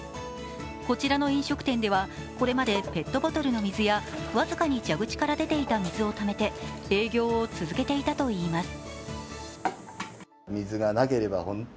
こちらの飲食店ではこれまでペットボトルの水や僅かに蛇口から出ていた水をためて営業を続けていたといいます。